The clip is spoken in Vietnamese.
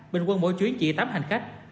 bình quân mỗi chuyến chỉ tám hành khách